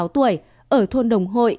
năm mươi sáu tuổi ở thôn đồng hội